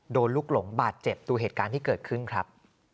ลูกหลงบาดเจ็บดูเหตุการณ์ที่เกิดขึ้นครับ